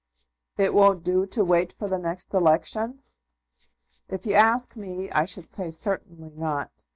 "It won't do to wait for the next election?" "If you ask me, I should say certainly not.